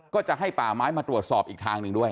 ก็จะให้ป่าไม้มาตรวจสอบอีกทางหนึ่งด้วย